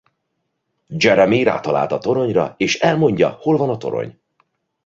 Jeremie rátalált a toronyra és elmondja hol van a torony.